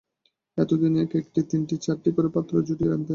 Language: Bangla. এতদিনে এক-একটির তিনটি-চারটি করে পাত্র জুটিয়ে আনতে!